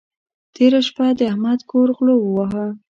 تېره شپه د احمد کور غلو وواهه.